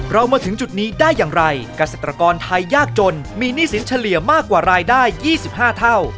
มาถึงจุดนี้ได้อย่างไรเกษตรกรไทยยากจนมีหนี้สินเฉลี่ยมากกว่ารายได้๒๕เท่า